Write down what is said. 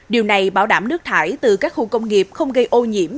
điều này bảo đảm nước thải từ các khu công nghiệp không gây ô nhiễm